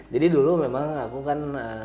jadi memang dulu aku kan